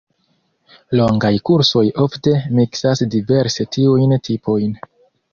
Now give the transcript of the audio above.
Longaj kursoj ofte miksas diverse tiujn tipojn.